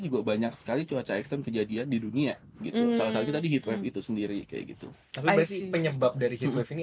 juga banyak sekali cuaca ekstrem kejadian di dunia itu sendiri kayak gitu penyebab dari